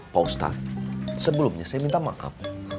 pak ustadz sebelumnya saya minta maaf